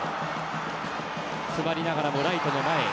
詰まりながらライトの前へ。